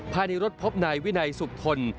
ภายในรถพบนายวินัยสุขพล